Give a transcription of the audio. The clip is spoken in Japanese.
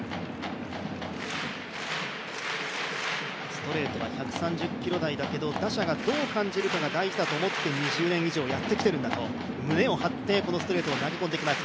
ストレートは１３０キロ台だけど打者がどう感じるかが大事だと思って２０年以上やってきているんだと胸を張ってこのストレートを投げ込んできます